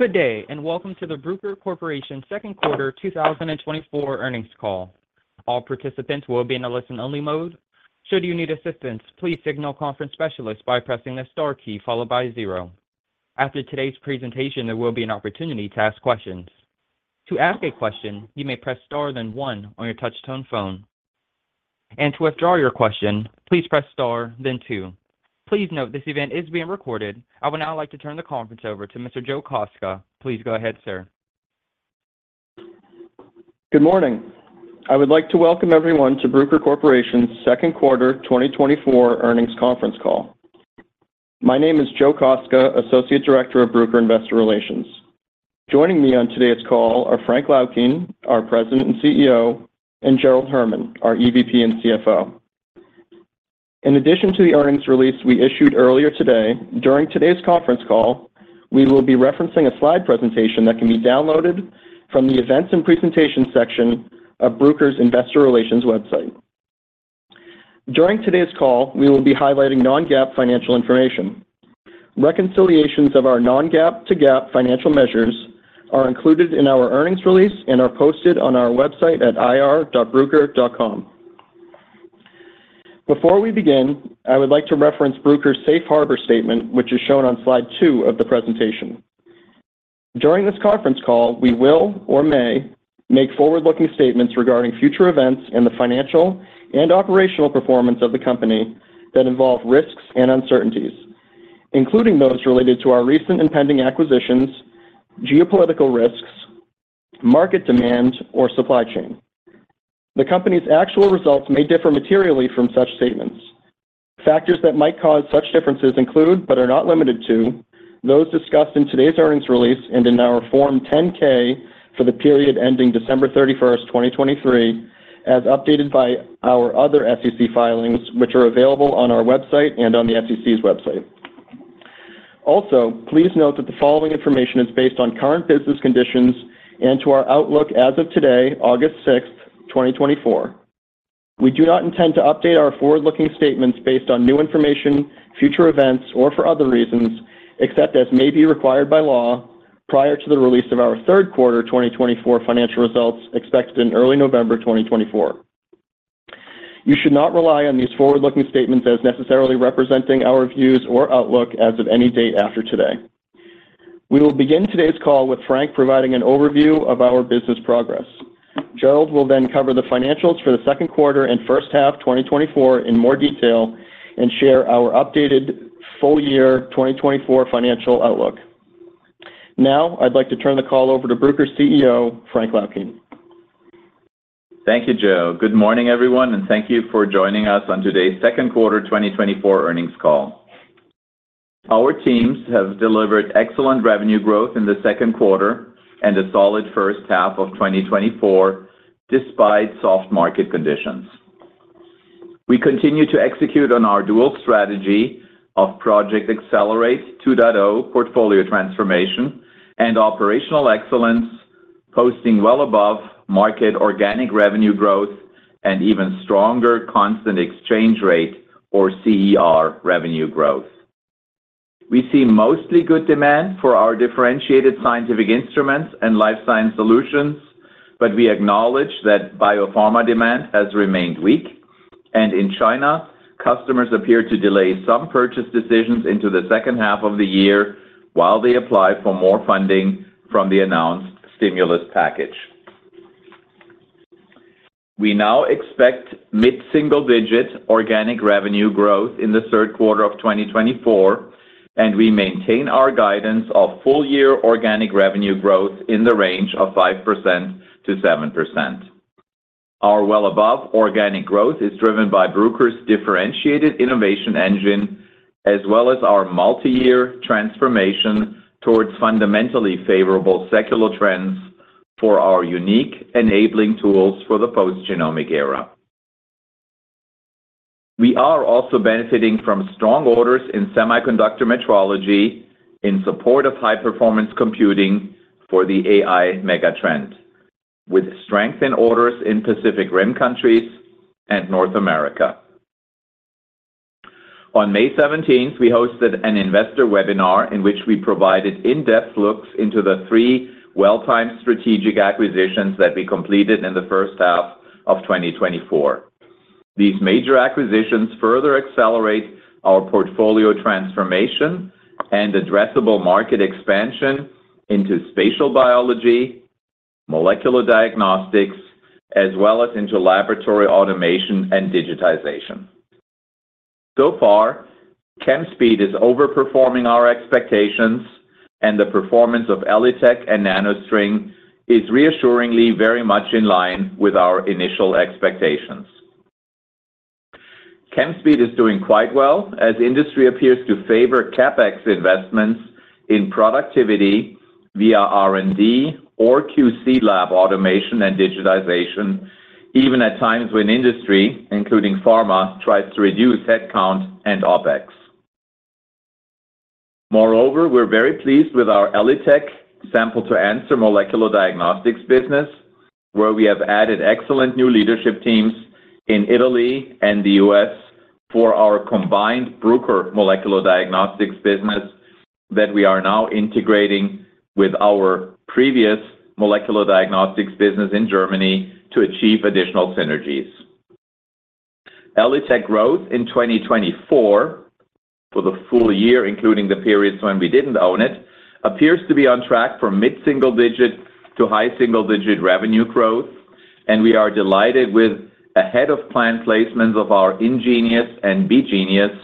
Good day, and welcome to the Bruker Corporation second quarter 2024 earnings call. All participants will be in a listen-only mode. Should you need assistance, please signal a conference specialist by pressing the star key followed by zero. After today's presentation, there will be an opportunity to ask questions. To ask a question, you may press star then one on your touchtone phone. To withdraw your question, please press star then two. Please note this event is being recorded. I would now like to turn the conference over to Mr. Joe Kostka. Please go ahead, sir. Good morning! I would like to welcome everyone to Bruker Corporation's second quarter 2024 earnings conference call. My name is Joe Kostka, Associate Director of Bruker Investor Relations. Joining me on today's call are Frank Laukien, our President and CEO, and Gerald Herman, our EVP and CFO. In addition to the earnings release we issued earlier today, during today's conference call, we will be referencing a slide presentation that can be downloaded from the Events and Presentation section of Bruker's Investor Relations website. During today's call, we will be highlighting non-GAAP financial information. Reconciliations of our non-GAAP to GAAP financial measures are included in our earnings release and are posted on our website at ir.bruker.com. Before we begin, I would like to reference Bruker's Safe Harbor statement, which is shown on slide two of the presentation. During this conference call, we will or may make forward-looking statements regarding future events and the financial and operational performance of the company that involve risks and uncertainties, including those related to our recent and pending acquisitions, geopolitical risks, market demand, or supply chain. The company's actual results may differ materially from such statements. Factors that might cause such differences include, but are not limited to, those discussed in today's earnings release and in our Form 10-K for the period ending December 31st, 2023, as updated by our other SEC filings, which are available on our website and on the SEC's website. Also, please note that the following information is based on current business conditions and to our outlook as of today, August 6th, 2024. We do not intend to update our forward-looking statements based on new information, future events, or for other reasons, except as may be required by law, prior to the release of our third quarter 2024 financial results, expected in early November 2024. You should not rely on these forward-looking statements as necessarily representing our views or outlook as of any date after today. We will begin today's call with Frank providing an overview of our business progress. Gerald will then cover the financials for the second quarter and first half 2024 in more detail and share our updated full year 2024 financial outlook. Now, I'd like to turn the call over to Bruker's CEO, Frank Laukien. Thank you, Joe. Good morning, everyone, and thank you for joining us on today's second quarter 2024 earnings call. Our teams have delivered excellent revenue growth in the second quarter and a solid first half of 2024, despite soft market conditions. We continue to execute on our dual strategy of Project Accelerate 2.0 portfolio transformation and operational excellence, posting well above market organic revenue growth and even stronger constant exchange rate or CER revenue growth. We see mostly good demand for our differentiated scientific instruments and life science solutions, but we acknowledge that biopharma demand has remained weak. In China, customers appear to delay some purchase decisions into the second half of the year while they apply for more funding from the announced stimulus package. We now expect mid-single-digit organic revenue growth in the third quarter of 2024, and we maintain our guidance of full-year organic revenue growth in the range of 5%-7%. Our well above organic growth is driven by Bruker's differentiated innovation engine, as well as our multi-year transformation towards fundamentally favorable secular trends for our unique enabling tools for the post-genomic era. We are also benefiting from strong orders in semiconductor metrology in support of high-performance computing for the AI megatrend, with strength in orders in Pacific Rim countries and North America. On May 17, we hosted an investor webinar in which we provided in-depth looks into the three well-timed strategic acquisitions that we completed in the first half of 2024. These major acquisitions further accelerate our portfolio transformation and addressable market expansion into spatial biology, molecular diagnostics, as well as into laboratory automation and digitization. So far, Chemspeed is overperforming our expectations, and the performance of ELITech and NanoString is reassuringly very much in line with our initial expectations. Chemspeed is doing quite well, as industry appears to favor CapEx investments in productivity via R&D or QC lab automation and digitization, even at times when industry, including pharma, tries to reduce headcount and OpEx. Moreover, we're very pleased with our ELITech sample-to-answer molecular diagnostics business, where we have added excellent new leadership teams in Italy and the U.S. for our combined Bruker molecular diagnostics business, that we are now integrating with our previous molecular diagnostics business in Germany to achieve additional synergies. ELITechGroup growth in 2024, for the full year, including the periods when we didn't own it, appears to be on track for mid-single-digit to high single-digit revenue growth, and we are delighted with ahead-of-plan placements of our InGenius and BeGenius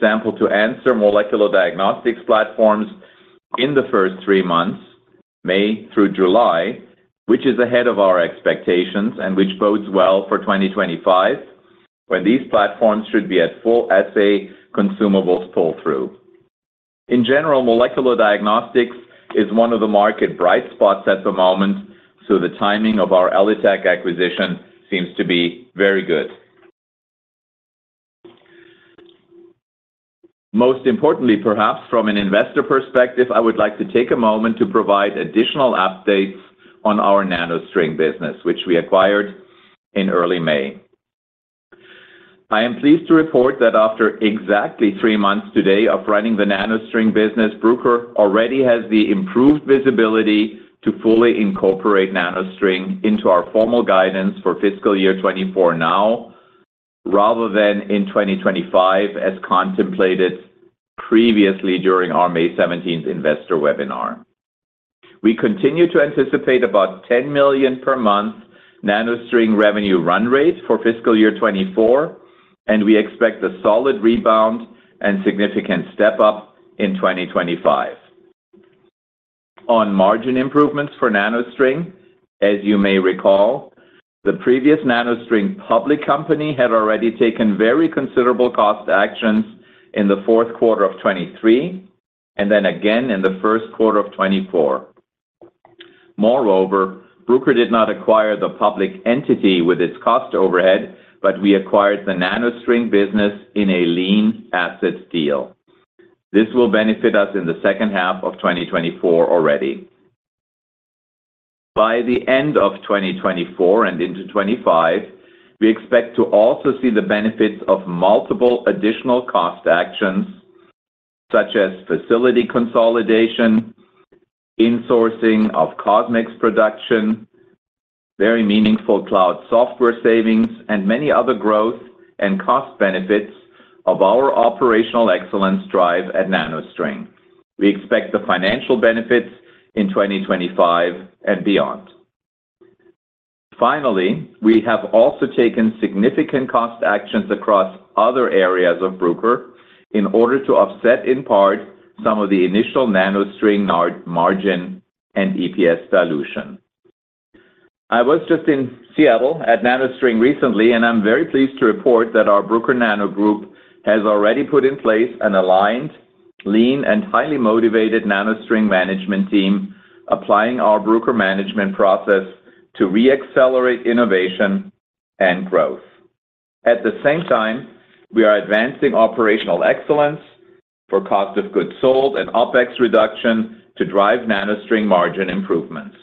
sample-to-answer molecular diagnostics platforms in the first three months, May through July, which is ahead of our expectations and which bodes well for 2025, when these platforms should be at full assay consumables pull-through. In general, molecular diagnostics is one of the market bright spots at the moment, so the timing of our ELITechGroup acquisition seems to be very good. Most importantly, perhaps from an investor perspective, I would like to take a moment to provide additional updates on our NanoString business, which we acquired in early May. I am pleased to report that after exactly three months today of running the NanoString business, Bruker already has the improved visibility to fully incorporate NanoString into our formal guidance for fiscal year 2024 now, rather than in 2025, as contemplated previously during our May 17 investor webinar. We continue to anticipate about $10 million per month NanoString revenue run rate for fiscal year 2024, and we expect a solid rebound and significant step up in 2025. On margin improvements for NanoString, as you may recall, the previous NanoString public company had already taken very considerable cost actions in the fourth quarter of 2023, and then again in the first quarter of 2024. Moreover, Bruker did not acquire the public entity with its cost overhead, but we acquired the NanoString business in a lean asset deal. This will benefit us in the second half of 2024 already. By the end of 2024 and into 2025, we expect to also see the benefits of multiple additional cost actions, such as facility consolidation, insourcing of CosMx production, very meaningful cloud software savings, and many other growth and cost benefits of our operational excellence drive at NanoString. We expect the financial benefits in 2025 and beyond. Finally, we have also taken significant cost actions across other areas of Bruker in order to offset, in part, some of the initial NanoString negative margin and EPS dilution. I was just in Seattle at NanoString recently, and I'm very pleased to report that our Bruker Nano Group has already put in place an aligned, lean, and highly motivated NanoString management team, applying our Bruker Management Process to re-accelerate innovation and growth. At the same time, we are advancing operational excellence for cost of goods sold and OpEx reduction to drive NanoString margin improvements.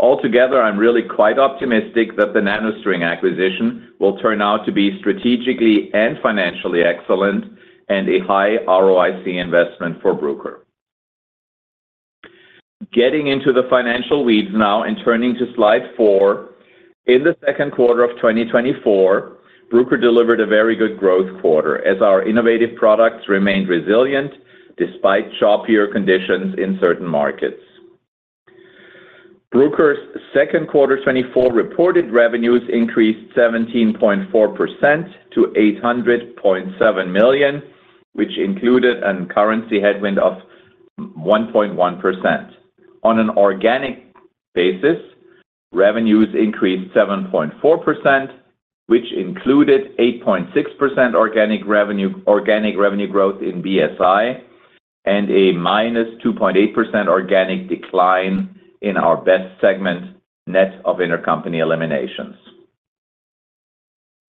Altogether, I'm really quite optimistic that the NanoString acquisition will turn out to be strategically and financially excellent and a high ROIC investment for Bruker. Getting into the financial weeds now and turning to slide four. In the second quarter of 2024, Bruker delivered a very good growth quarter as our innovative products remained resilient despite choppier conditions in certain markets. Bruker's second quarter 2024 reported revenues increased 17.4% to $800.7 million, which included a currency headwind of 1.1%. On an organic basis, revenues increased 7.4%, which included 8.6% organic revenue, organic revenue growth in BSI and a -2.8% organic decline in our BEST segment, net of intercompany eliminations.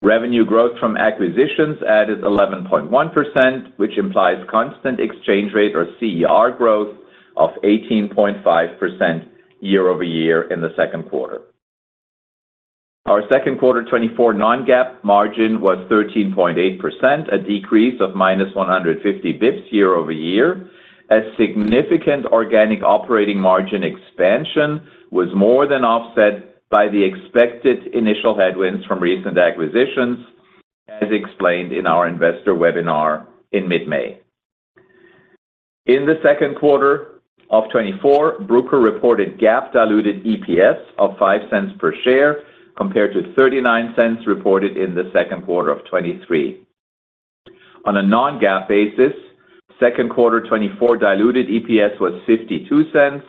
Revenue growth from acquisitions added 11.1%, which implies constant exchange rate, or CER, growth of 18.5% year-over-year in the second quarter. Our second quarter 2024 non-GAAP margin was 13.8%, a decrease of minus 150 basis points year-over-year, as significant organic operating margin expansion was more than offset by the expected initial headwinds from recent acquisitions, as explained in our investor webinar in mid-May. In the second quarter of 2024, Bruker reported GAAP diluted EPS of $0.05 per share, compared to $0.39 reported in the second quarter of 2023. On a non-GAAP basis, second quarter 2024 diluted EPS was $0.52,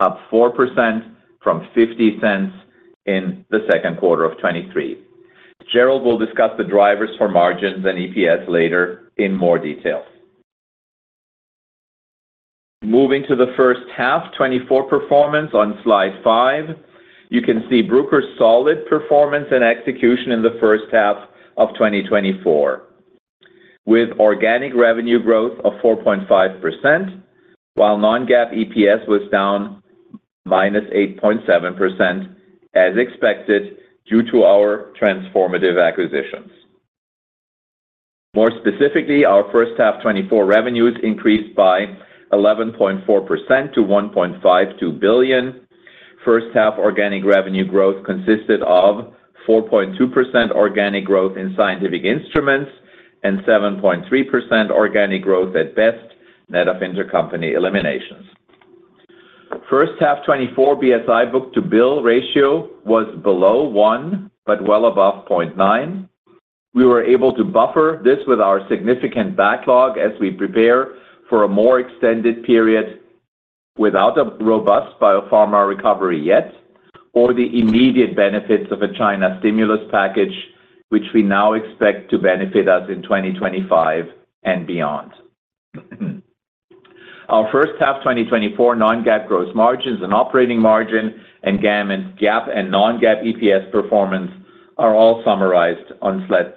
up 4% from $0.50 in the second quarter of 2023. Gerald will discuss the drivers for margins and EPS later in more detail. Moving to the first half 2024 performance on slide five, you can see Bruker's solid performance and execution in the first half of 2024, with organic revenue growth of 4.5%, while non-GAAP EPS was down -8.7%, as expected, due to our transformative acquisitions. More specifically, our first half 2024 revenues increased by 11.4% to $1.52 billion. First half organic revenue growth consisted of 4.2% organic growth in scientific instruments and 7.3% organic growth at BEST, net of intercompany eliminations. First half 2024, BSI book-to-bill ratio was below one, but well above 0.9. We were able to buffer this with our significant backlog as we prepare for a more extended period without a robust biopharma recovery yet, or the immediate benefits of a China stimulus package, which we now expect to benefit us in 2025 and beyond. Our first half, 2024 non-GAAP gross margins and operating margin and GAM and GAAP and non-GAAP EPS performance are all summarized on slide,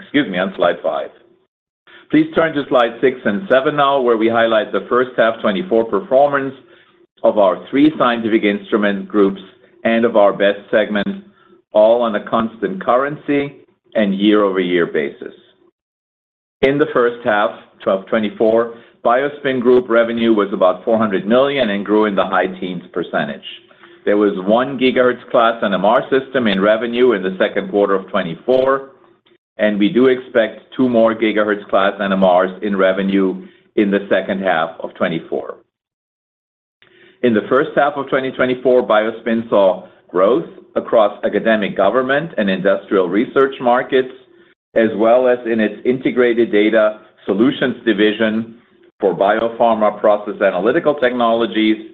excuse me, on slide five. Please turn to slide six and seven now, where we highlight the first half 2024 performance of our three scientific instrument groups and of our BEST segments, all on a constant currency and year-over-year basis. In the first half of 2024, BioSpin Group revenue was about $400 million and grew in the high teens percentage. There was 1 gigahertz class NMR system in revenue in the second quarter of 2024, and we do expect two more gigahertz class NMRs in revenue in the second half of 2024. In the first half of 2024, BioSpin saw growth across academic, government, and industrial research markets, as well as in its Integrated Data Solutions division for biopharma process analytical technologies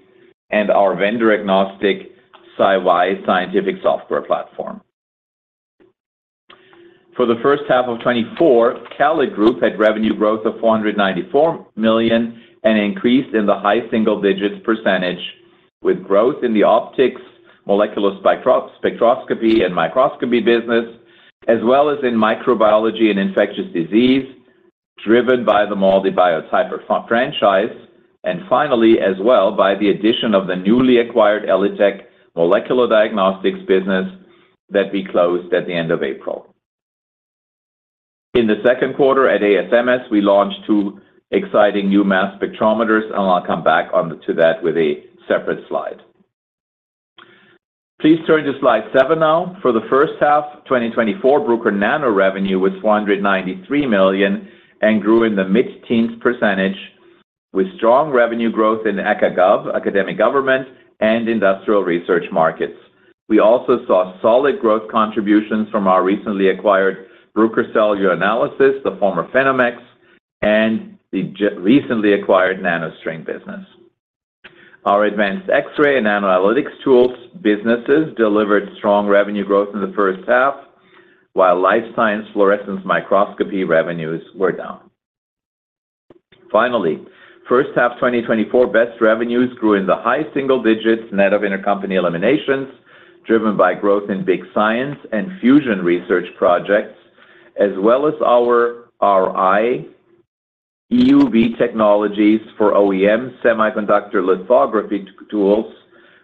and our vendor-agnostic SciY scientific software platform. For the first half of 2024, CALID Group had revenue growth of $494 million and increased in the high single digits percentage, with growth in the optics, molecular spectroscopy and microscopy business, as well as in microbiology and infectious disease, driven by the MALDI Biotyper franchise, and finally, as well, by the addition of the newly acquired ELITech molecular diagnostics business that we closed at the end of April. In the second quarter at ASMS, we launched two exciting new mass spectrometers, and I'll come back on to that with a separate slide. Please turn to slide seven now. For the first half, 2024, Bruker Nano revenue was $493 million and grew in the mid-teens percentage, with strong revenue growth in Acad/Gov, academic government, and industrial research markets. We also saw solid growth contributions from our recently acquired Bruker Cellular Analysis, the former PhenomeX, and the recently acquired NanoString business. Our advanced X-ray and nano analytics tools businesses delivered strong revenue growth in the first half, while life science fluorescence microscopy revenues were down. Finally, first half, 2024, BEST revenues grew in the high single digits percentage net of intercompany eliminations, driven by growth in big science and fusion research projects, as well as our RI EUV technologies for OEM semiconductor lithography tools.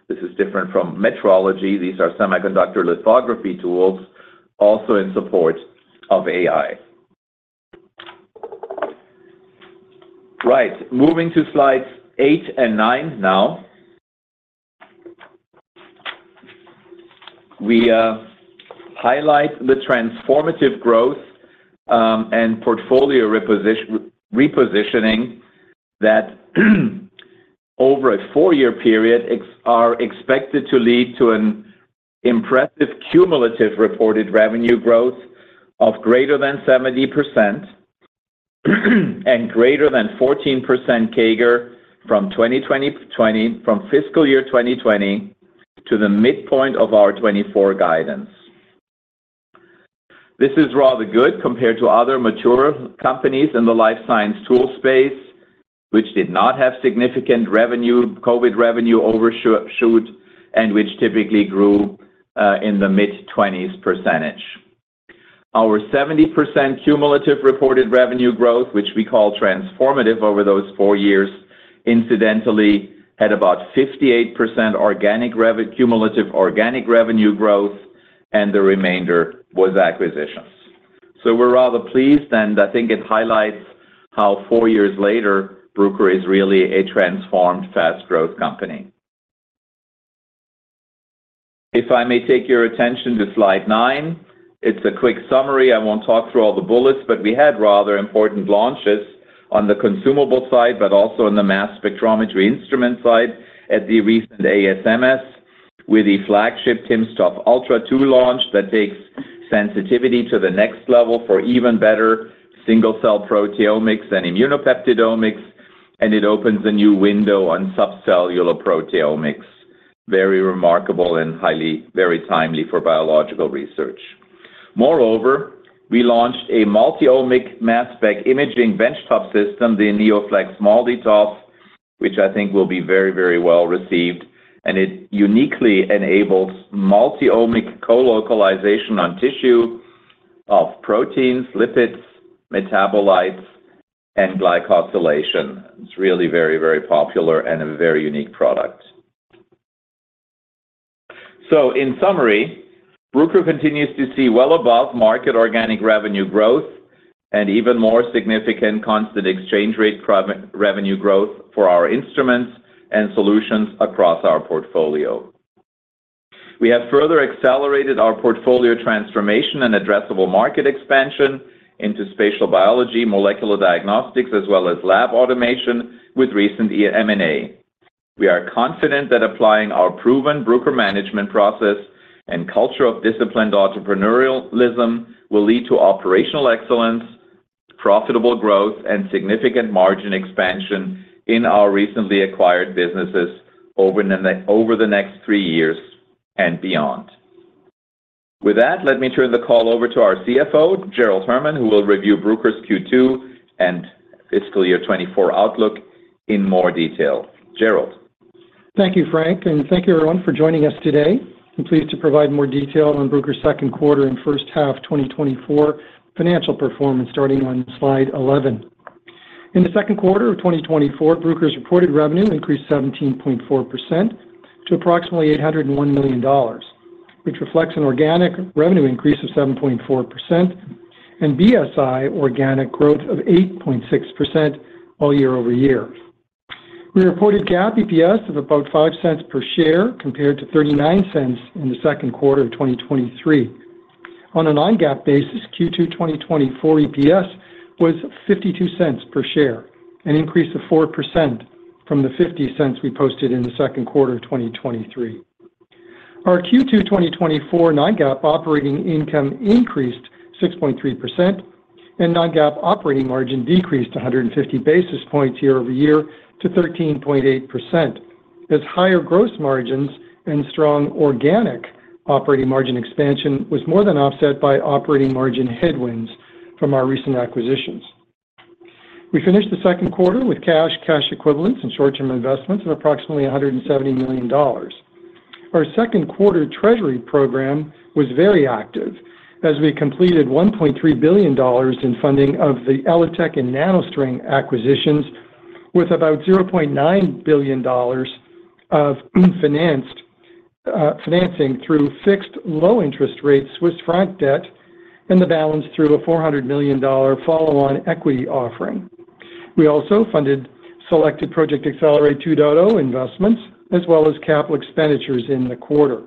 This is different from metrology. These are semiconductor lithography tools, also in support of AI. Right, moving to slides eight and nine now. We highlight the transformative growth and portfolio repositioning that, over a four-year period, are expected to lead to an impressive cumulative reported revenue growth of greater than 70%, and greater than 14% CAGR from 2020, from fiscal year 2020 to the midpoint of our 2024 guidance. This is rather good compared to other mature companies in the life science tool space, which did not have significant revenue COVID revenue overshoot, and which typically grew in the mid-20s percentage. Our 70% cumulative reported revenue growth, which we call transformative over those four years, incidentally, had about 58% cumulative organic revenue growth, and the remainder was acquisitions. So we're rather pleased, and I think it highlights how four years later, Bruker is really a transformed fast growth company. If I may take your attention to slide nine, it's a quick summary. I won't talk through all the bullets, but we had rather important launches on the consumable side, but also in the mass spectrometry instrument side at the recent ASMS, with the flagship timsTOF Ultra 2 launch that takes sensitivity to the next level for even better single cell proteomics and immunopeptidomics, and it opens a new window on subcellular proteomics. Very remarkable and highly, very timely for biological research. Moreover, we launched a multi-omic mass spec imaging benchtop system, the neofleX MALDI-TOF, which I think will be very, very well received, and it uniquely enables multi-omic co-localization on tissue of proteins, lipids, metabolites, and glycosylation. It's really very, very popular and a very unique product. So in summary, Bruker continues to see well above market organic revenue growth and even more significant constant exchange rate proven revenue growth for our instruments and solutions across our portfolio. We have further accelerated our portfolio transformation and addressable market expansion into spatial biology, molecular diagnostics, as well as lab automation with recent year M&A. We are confident that applying our proven Bruker management process and culture of disciplined entrepreneurialism will lead to operational excellence, profitable growth, and significant margin expansion in our recently acquired businesses over the next three years and beyond. With that, let me turn the call over to our CFO, Gerald Herman, who will review Bruker's Q2 and fiscal year 2024 outlook in more detail. Gerald? Thank you, Frank, and thank you everyone for joining us today. I'm pleased to provide more detail on Bruker's second quarter and first half 2024 financial performance, starting on slide 11. In the second quarter of 2024, Bruker's reported revenue increased 17.4% to approximately $801 million, which reflects an organic revenue increase of 7.4% and BSI organic growth of 8.6% all year-over-year. We reported GAAP EPS of about $0.05 per share, compared to $0.39 in the second quarter of 2023. On a non-GAAP basis, Q2 2024 EPS was $0.52 per share, an increase of 4% from the $0.50 we posted in the second quarter of 2023. Our Q2 2024 non-GAAP operating income increased 6.3%, and non-GAAP operating margin decreased 150 basis points year-over-year to 13.8%, as higher gross margins and strong organic operating margin expansion was more than offset by operating margin headwinds from our recent acquisitions. We finished the second quarter with cash, cash equivalents, and short-term investments of approximately $170 million. Our second quarter treasury program was very active, as we completed $1.3 billion in funding of the ELITechGroup and NanoString acquisitions, with about $0.9 billion of financed, financing through fixed low interest rate Swiss franc debt and the balance through a $400 million follow-on equity offering. We also funded selected Project Accelerate 2.0 investments, as well as capital expenditures in the quarter.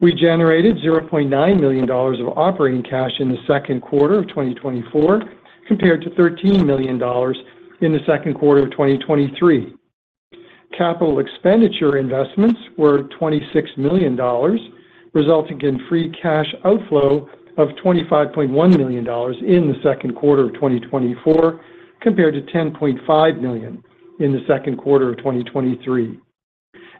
We generated $0.9 million of operating cash in the second quarter of 2024, compared to $13 million in the second quarter of 2023. Capital expenditure investments were $26 million, resulting in free cash outflow of $25.1 million in the second quarter of 2024, compared to $10.5 million in the second quarter of 2023.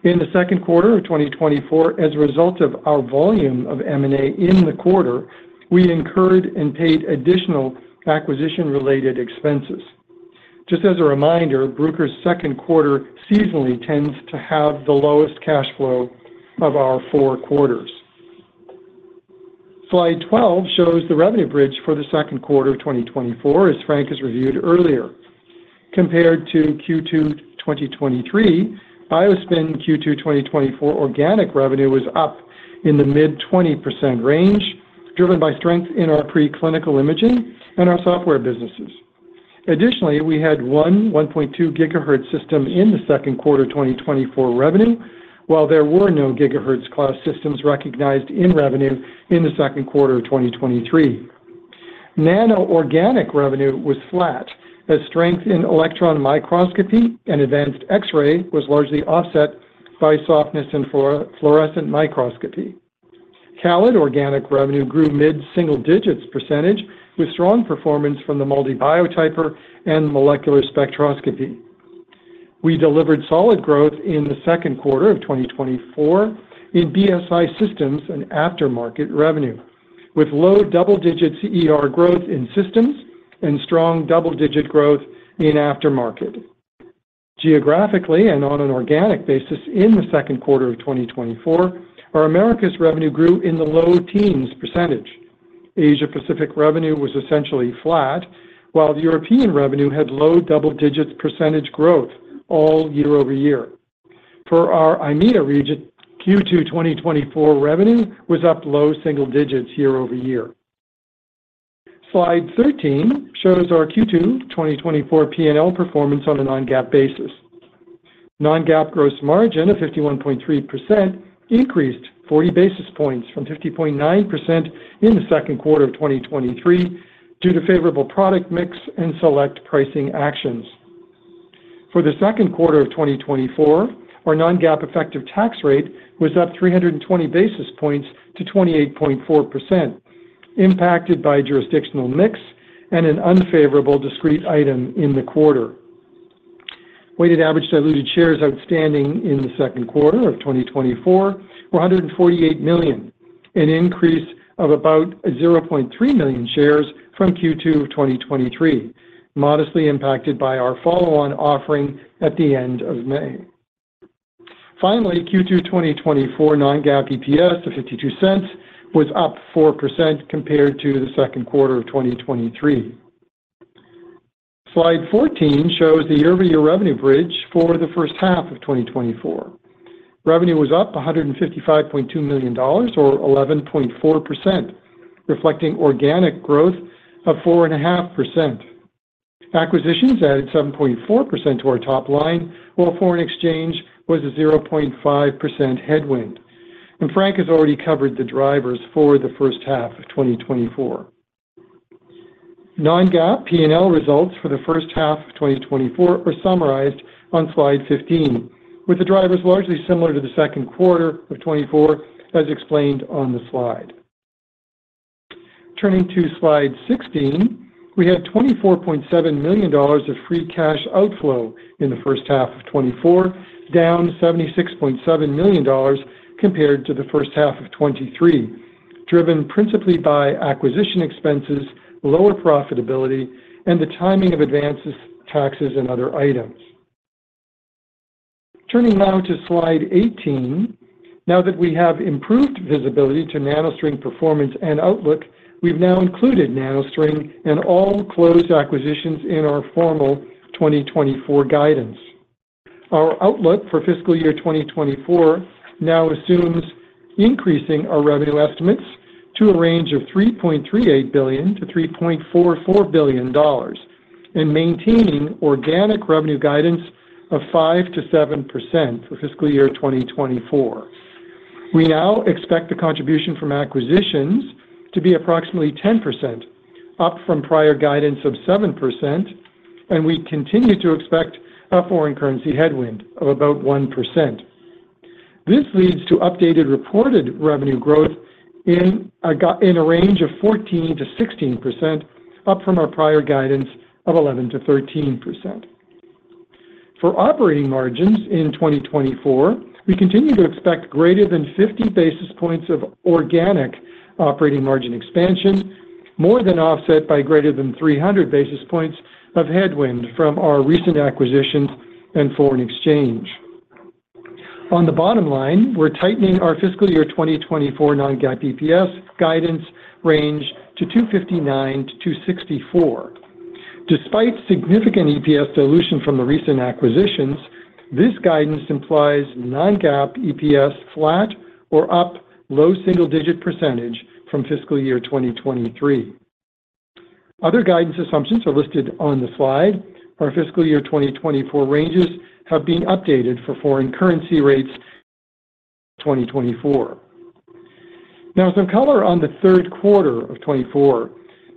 In the second quarter of 2024, as a result of our volume of M&A in the quarter, we incurred and paid additional acquisition-related expenses. Just as a reminder, Bruker's second quarter seasonally tends to have the lowest cash flow of our four quarters. Slide 12 shows the revenue bridge for the second quarter of 2024, as Frank has reviewed earlier. Compared to Q2 2023, BioSpin Q2 2024 organic revenue was up in the mid-20% range, driven by strength in our preclinical imaging and our software businesses. Additionally, we had one 1.2 GHz system in the second quarter of 2024 revenue, while there were no GHz-class systems recognized in revenue in the second quarter of 2023. Nano organic revenue was flat, as strength in electron microscopy and advanced X-ray was largely offset by softness in fluorescent microscopy. CALID organic revenue grew mid-single digits percentage, with strong performance from the MALDI Biotyper and molecular spectroscopy. We delivered solid growth in the second quarter of 2024 in BSI Systems and aftermarket revenue, with low double-digit CER growth in systems and strong double-digit growth in aftermarket. Geographically and on an organic basis in the second quarter of 2024, our Americas revenue grew in the low teens percentage. Asia Pacific revenue was essentially flat, while the Europe revenue had low double-digit percentage growth all year-over-year. For our IMEA region, Q2 2024 revenue was up low single digits year-over-year. Slide 13 shows our Q2 2024 P&L performance on a non-GAAP basis. Non-GAAP gross margin of 51.3% increased 40 basis points from 50.9% in the second quarter of 2023 due to favorable product mix and select pricing actions. For the second quarter of 2024, our non-GAAP effective tax rate was up 320 basis points to 28.4%, impacted by jurisdictional mix and an unfavorable discrete item in the quarter. Weighted average diluted shares outstanding in the second quarter of 2024 were 148 million, an increase of about 0.3 million shares from Q2 of 2023, modestly impacted by our follow-on offering at the end of May. Finally, Q2 2024 non-GAAP EPS of $0.52 was up 4% compared to the second quarter of 2023. Slide 14 shows the year-over-year revenue bridge for the first half of 2024. Revenue was up $155.2 million, or 11.4%, reflecting organic growth of 4.5%. Acquisitions added 7.4% to our top line, while foreign exchange was a 0.5% headwind, and Frank has already covered the drivers for the first half of 2024. Non-GAAP P&L results for the first half of 2024 are summarized on slide 15, with the drivers largely similar to the second quarter of 2024, as explained on the slide. Turning to slide 16, we had $24.7 million of free cash outflow in the first half of 2024, down $76.7 million compared to the first half of 2023, driven principally by acquisition expenses, lower profitability, and the timing of advances, taxes, and other items. Turning now to slide 18, now that we have improved visibility to NanoString performance and outlook, we've now included NanoString and all closed acquisitions in our formal 2024 guidance. Our outlook for fiscal year 2024 now assumes increasing our revenue estimates to a range of $3.38 billion-$3.44 billion and maintaining organic revenue guidance of 5%-7% for fiscal year 2024. We now expect the contribution from acquisitions to be approximately 10%, up from prior guidance of 7%, and we continue to expect a foreign currency headwind of about 1%. This leads to updated reported revenue growth in a range of 14%-16%, up from our prior guidance of 11%-13%. For operating margins in 2024, we continue to expect greater than 50 basis points of organic operating margin expansion, more than offset by greater than 300 basis points of headwind from our recent acquisitions and foreign exchange. On the bottom line, we're tightening our fiscal year 2024 non-GAAP EPS guidance range to $2.59-$2.64. Despite significant EPS dilution from the recent acquisitions, this guidance implies non-GAAP EPS flat or up low single-digit percentage from fiscal year 2023. Other guidance assumptions are listed on the slide. Our fiscal year 2024 ranges have been updated for foreign currency rates in 2024. Now, some color on the third quarter of 2024.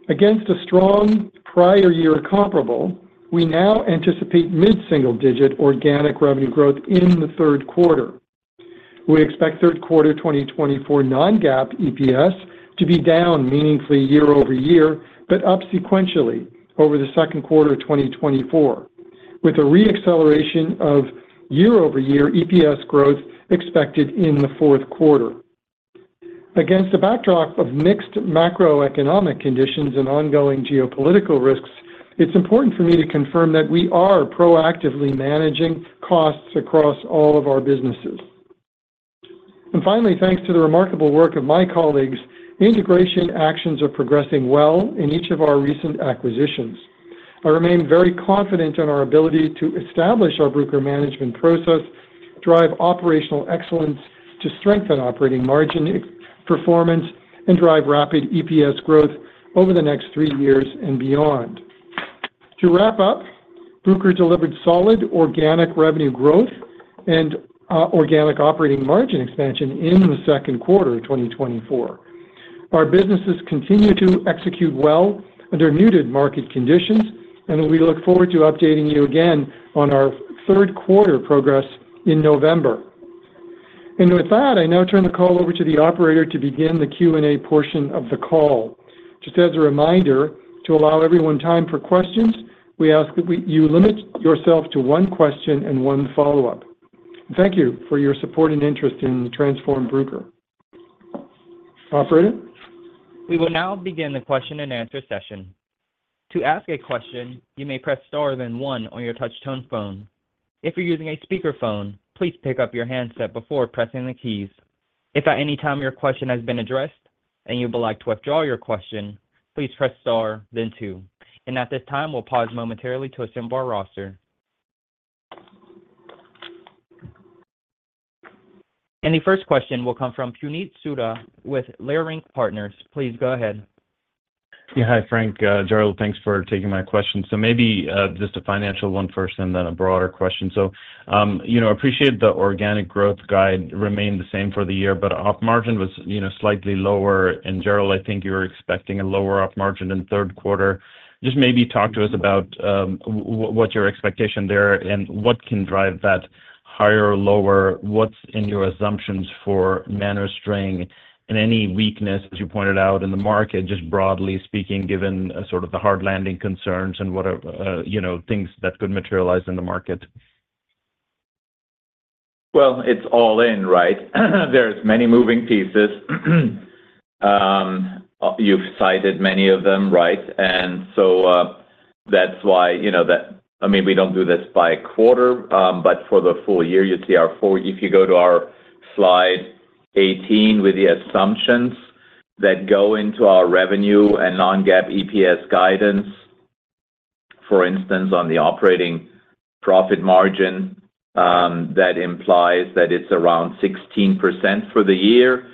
Against a strong prior year comparable, we now anticipate mid-single-digit percentage organic revenue growth in the third quarter. We expect third quarter 2024 non-GAAP EPS to be down meaningfully year-over-year, but up sequentially over the second quarter of 2024, with a re-acceleration of year-over-year EPS growth expected in the fourth quarter. Against a backdrop of mixed macroeconomic conditions and ongoing geopolitical risks, it's important for me to confirm that we are proactively managing costs across all of our businesses. And finally, thanks to the remarkable work of my colleagues, integration actions are progressing well in each of our recent acquisitions. I remain very confident in our ability to establish our Bruker management process, drive operational excellence to strengthen operating margin performance, and drive rapid EPS growth over the next three years and beyond. To wrap up, Bruker delivered solid organic revenue growth and organic operating margin expansion in the second quarter of 2024. Our businesses continue to execute well under muted market conditions, and we look forward to updating you again on our third quarter progress in November. And with that, I now turn the call over to the operator to begin the Q&A portion of the call. Just as a reminder, to allow everyone time for questions, we ask that you limit yourself to one question and one follow-up. Thank you for your support and interest in Transform Bruker. Operator? We will now begin the question-and-answer session. To ask a question, you may press star, then one on your touchtone phone. If you're using a speakerphone, please pick up your handset before pressing the keys. If at any time your question has been addressed and you would like to withdraw your question, please press star then two. And at this time, we'll pause momentarily to assemble our roster. And the first question will come from Puneet Souda with Leerink Partners. Please go ahead. Yeah. Hi, Frank, Gerald. Thanks for taking my question. So maybe just a financial one first and then a broader question. So, you know, appreciate the organic growth guide remained the same for the year, but op margin was, you know, slightly lower. And Gerald, I think you were expecting a lower op margin in the third quarter. Just maybe talk to us about what's your expectation there, and what can drive that higher or lower? What's in your assumptions for NanoString and any weakness, as you pointed out in the market, just broadly speaking, given sort of the hard landing concerns and what, you know, things that could materialize in the market? Well, it's all in, right? There's many moving pieces. You've cited many of them, right? And so, that's why, you know, that—I mean, we don't do this by quarter, but for the full year, you'd see our full—If you go to our slide 18, with the assumptions that go into our revenue and non-GAAP EPS guidance, for instance, on the operating profit margin, that implies that it's around 16% for the year,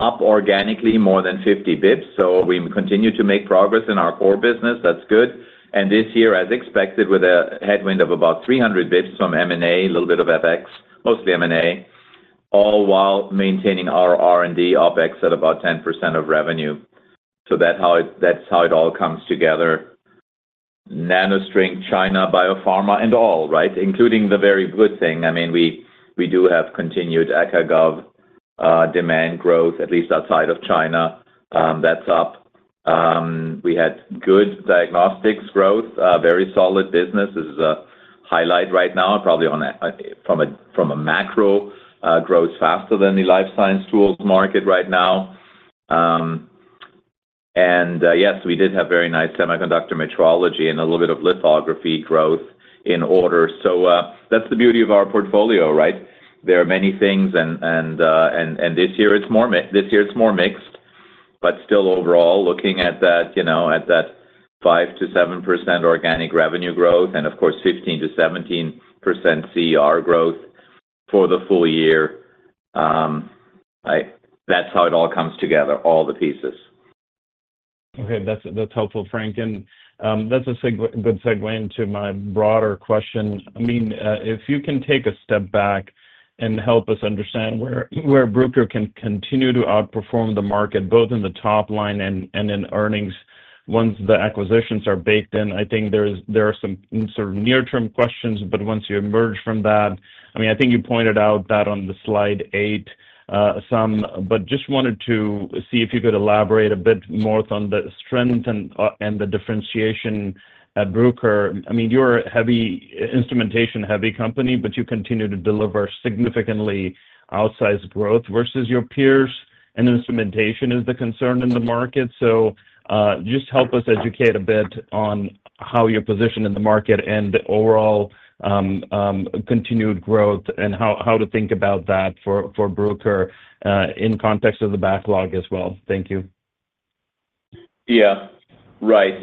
up organically more than 50 basis points. So we continue to make progress in our core business. That's good. And this year, as expected, with a headwind of about 300 basis points from M&A, a little bit of FX, mostly M&A, all while maintaining our R&D OpEx at about 10% of revenue. So that how it—that's how it all comes together. NanoString, China, biopharma, and all, right? Including the very good thing. I mean, we do have continued Acad/Gov demand growth, at least outside of China. That's up. We had good diagnostics growth, a very solid business. This is a highlight right now, probably on a, from a, from a macro, grows faster than the life science tools market right now. And yes, we did have very nice semiconductor metrology and a little bit of lithography growth in order. So, that's the beauty of our portfolio, right? There are many things and, and this year it's more mixed, but still overall, looking at that, you know, at that 5%-7% organic revenue growth and of course, 15%-17% CER growth for the full year, that's how it all comes together, all the pieces. Okay. That's helpful, Frank. And that's a good segue into my broader question. I mean, if you can take a step back and help us understand where Bruker can continue to outperform the market, both in the top line and in earnings, once the acquisitions are baked in. I think there are some sort of near-term questions, but once you emerge from that, I mean, I think you pointed out that on the slide eight, but just wanted to see if you could elaborate a bit more on the strength and the differentiation at Bruker. I mean, you're an instrumentation-heavy company, but you continue to deliver significantly outsized growth versus your peers, and instrumentation is the concern in the market. So, just help us educate a bit on how you're positioned in the market and the overall continued growth, and how to think about that for Bruker in context of the backlog as well. Thank you. Yeah. Right.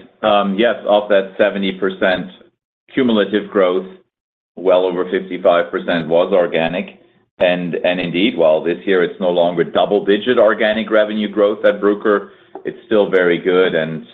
Yes, of that 70% cumulative growth, well over 55% was organic. And, and indeed, while this year it's no longer double-digit organic revenue growth at Bruker, it's still very good. And,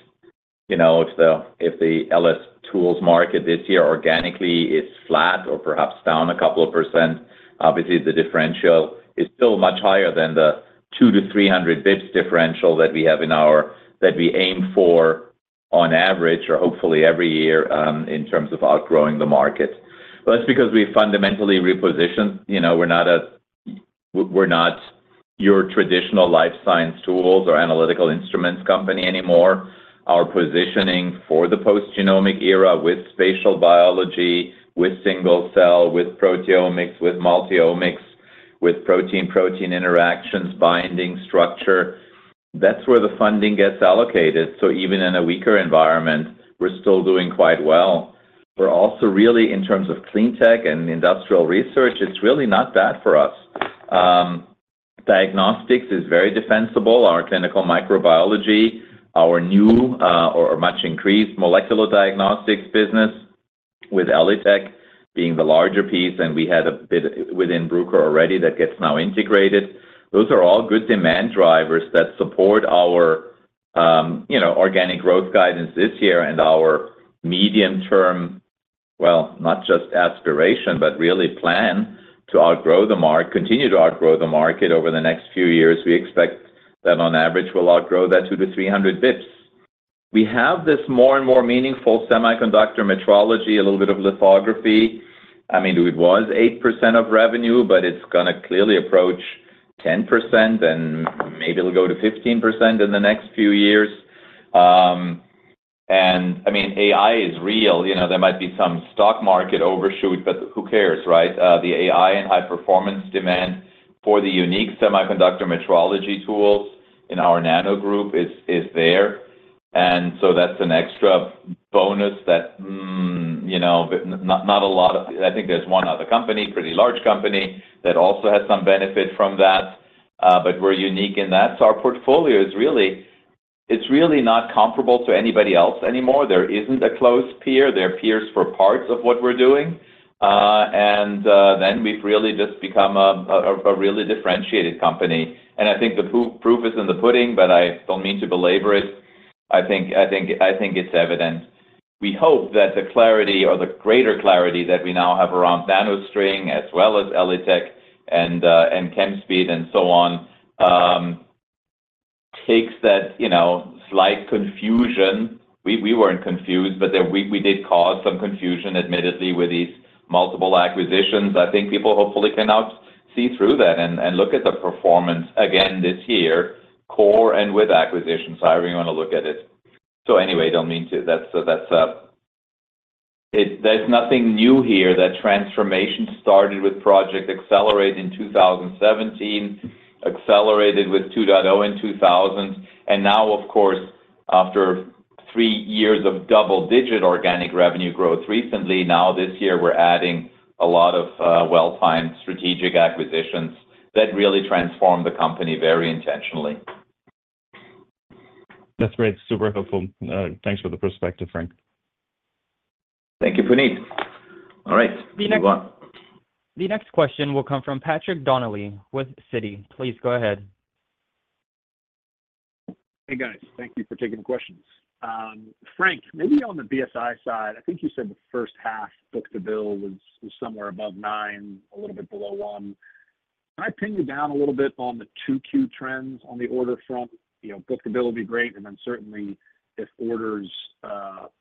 you know, if the, if the LS tools market this year organically is flat or perhaps down a couple of percent, obviously, the differential is still much higher than the 200-300 basis points differential that we have in our, that we aim for on average, or hopefully every year, in terms of outgrowing the market. Well, that's because we fundamentally repositioned. You know, we're not a, we're not your traditional life science tools or analytical instruments company anymore. Our positioning for the post-genomic era with spatial biology, with single cell, with proteomics, with multi-omics, with protein-protein interactions, binding structure, that's where the funding gets allocated. So even in a weaker environment, we're still doing quite well. We're also really, in terms of clean tech and industrial research, it's really not bad for us. Diagnostics is very defensible. Our clinical microbiology, our new, or much increased molecular diagnostics business, with ELITech being the larger piece, and we had a bit within Bruker already that gets now integrated. Those are all good demand drivers that support our, you know, organic growth guidance this year and our medium-term, well, not just aspiration, but really plan to continue to outgrow the market over the next few years. We expect that on average, we'll outgrow that 200-300 basis points. We have this more and more meaningful semiconductor metrology, a little bit of lithography. I mean, it was 8% of revenue, but it's gonna clearly approach 10%, and maybe it'll go to 15% in the next few years. And I mean, AI is real, you know, there might be some stock market overshoot, but who cares, right? The AI and high-performance demand for the unique semiconductor metrology tools in our Nano group is, is there. And so that's an extra bonus that, you know, not, not a lot of... I think there's one other company, pretty large company, that also has some benefit from that, but we're unique in that. So our portfolio is really, it's really not comparable to anybody else anymore. There isn't a close peer. There are peers for parts of what we're doing. And then we've really just become a, a, a really differentiated company. I think the proof is in the pudding, but I don't mean to belabor it. I think it's evident. We hope that the clarity or the greater clarity that we now have around NanoString, as well as ELITech and Chemspeed, and so on, takes that, you know, slight confusion. We weren't confused, but then we did cause some confusion, admittedly, with these multiple acquisitions. I think people hopefully can now see through that and look at the performance again this year, core and with acquisitions, however you want to look at it... So anyway, I don't mean to. That's it. There's nothing new here. That transformation started with Project Accelerate in 2017, accelerated with 2.0 in 2000. Now, of course, after three years of double-digit organic revenue growth recently, now this year, we're adding a lot of well-timed strategic acquisitions that really transform the company very intentionally. That's great. Super helpful. Thanks for the perspective, Frank. Thank you, Puneet. All right, move on. The next question will come from Patrick Donnelly with Citi. Please go ahead. Hey, guys. Thank you for taking the questions. Frank, maybe on the BSI side, I think you said the first half book-to-bill was somewhere above 0.9, a little bit below one. Can I pin you down a little bit on the two Q trends on the order front? You know, book-to-bill would be great, and then certainly, if orders,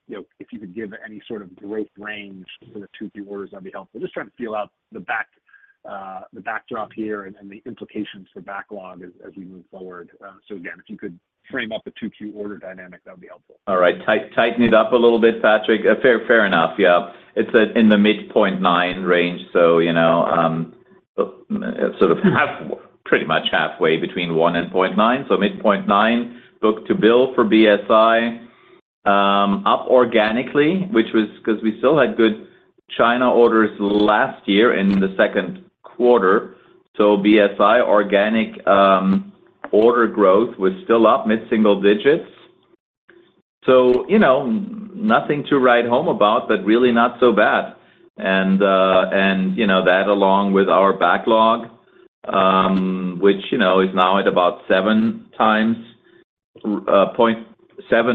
you know, if you could give any sort of growth range for the two key orders, that'd be helpful. Just trying to feel out the backdrop here and the implications for backlog as we move forward. So again, if you could frame up a 2Q order dynamic, that would be helpful. All right, tighten it up a little bit, Patrick. Fair enough. Yeah. It's in the midpoint 0.9 range, so you know, sort of halfway pretty much halfway between one and 0.9, so 0.9 book-to-bill for BSI, up organically, which was 'cause we still had good China orders last year in the second quarter. So BSI organic order growth was still up, mid-single digits. So, you know, nothing to write home about, but really not so bad. And, you know, that along with our backlog, which, you know, is now at about 7.7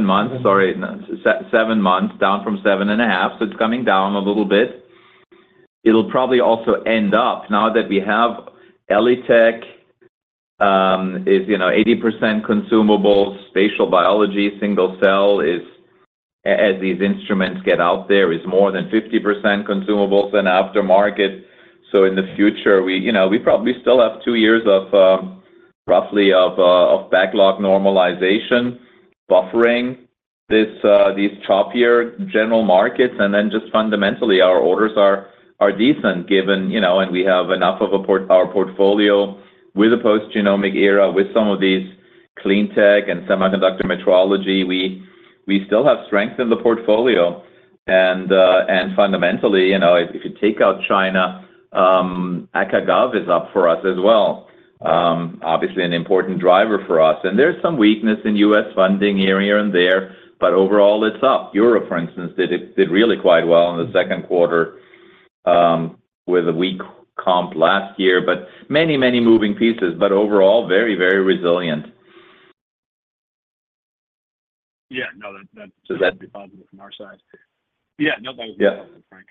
months, sorry, 7 months, down from 7.5. So it's coming down a little bit. It'll probably also end up, now that we have ELITech, is, you know, 80% consumables, spatial biology, single cell is, as these instruments get out there, is more than 50% consumables and aftermarket. So in the future, we, you know, we probably still have 2 years of, roughly of, of backlog normalization, buffering this, these choppier general markets, and then just fundamentally, our orders are, are decent, given, you know, and we have enough of a our portfolio with the post-genomic era, with some of these clean tech and semiconductor metrology. We, we still have strength in the portfolio, and, and fundamentally, you know, if, if you take out China, ACA Gov is up for us as well. Obviously, an important driver for us. And there's some weakness in U.S. funding here and there, but overall, it's up. Europe, for instance, did really quite well in the second quarter with a weak comp last year, but many, many moving pieces, but overall, very, very resilient. Yeah, no, that, that- Does that- -would be positive from our side. Yeah, no, that's- Yeah... positive, Frank.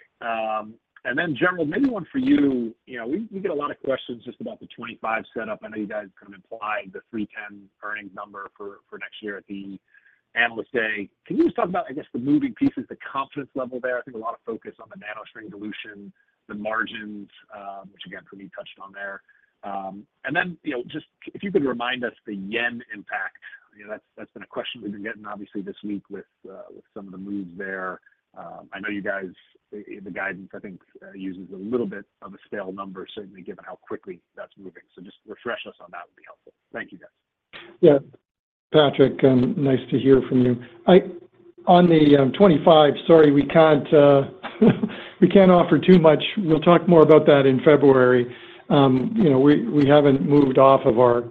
And then general, maybe one for you. You know, we, we get a lot of questions just about the 25 setup. I know you guys kind of implied the $3.10 earnings number for, for next year at the Analyst Day. Can you just talk about, I guess, the moving pieces, the confidence level there? I think a lot of focus on the NanoString dilution, the margins, which again, Puneet touched on there. And then, you know, just if you could remind us the yen impact. You know, that's, that's been a question we've been getting obviously this week with, with some of the moves there. I know you guys, the guidance, I think, uses a little bit of a stale number, certainly given how quickly that's moving. So just refresh us on that would be helpful. Thank you, guys. Yeah. Patrick, nice to hear from you. On the 2025, sorry, we can't offer too much. We'll talk more about that in February. You know, we haven't moved off of our